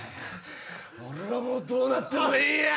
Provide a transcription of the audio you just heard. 俺はもうどうなってもええんや！